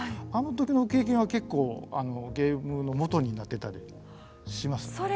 あのときの経験は結構ゲームのもとになってたりってしますね。